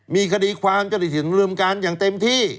มีคดีความจริตสินลืมการอย่างเต็มที่